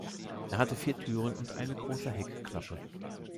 Er hatte vier Türen und eine große Heckklappe.